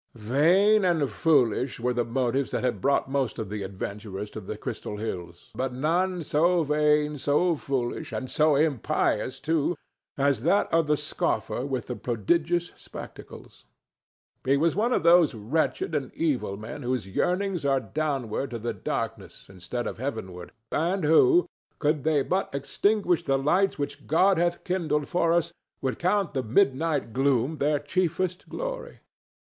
Vain and foolish were the motives that had brought most of the adventurers to the Crystal Hills, but none so vain, so foolish, and so impious too, as that of the scoffer with the prodigious spectacles. He was one of those wretched and evil men whose yearnings are downward to the darkness instead of heavenward, and who, could they but extinguish the lights which God hath kindled for us, would count the midnight gloom their chiefest glory.